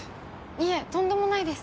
いえとんでもないです。